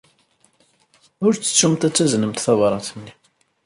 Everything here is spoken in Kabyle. Ur ttettumt ad taznemt tabṛat-nni.